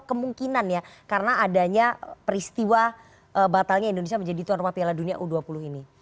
kemungkinan ya karena adanya peristiwa batalnya indonesia menjadi tuan rumah piala dunia u dua puluh ini